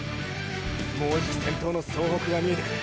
もうじき先頭の総北が見えてくる。